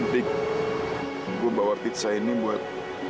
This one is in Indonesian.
nanti gue bawa pizza ini buat